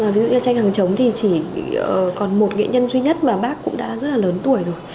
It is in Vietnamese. ví dụ như tranh hàng chống thì chỉ còn một nghệ nhân duy nhất mà bác cũng đã rất là lớn tuổi rồi